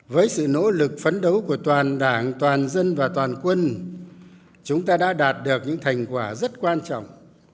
với sự nỗ lực phấn đấu của toàn đảng toàn dân và toàn quân chúng ta đã đạt được những thành quả rất quan trọng